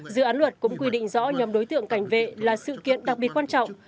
dự án luật cũng quy định rõ nhóm đối tượng cảnh vệ là sự kiện đặc biệt quan trọng